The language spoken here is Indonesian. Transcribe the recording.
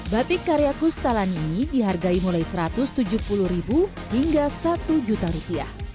batik karya kustalani ini dihargai mulai rp satu ratus tujuh puluh hingga rp satu